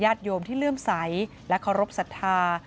โยมที่เลื่อมใสและเคารพสัทธา